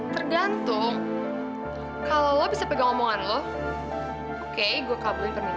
tergantung kalau lo bisa pegang omongan lo oke gue kabulin pernikahan